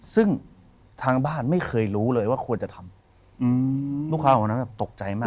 ซึ่งทางบ้านไม่เคยรู้เลยว่าควรจะทำลูกค้าคนนั้นแบบตกใจมาก